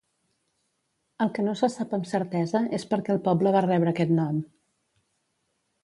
El que no se sap amb certesa és perquè el poble va rebre aquest nom.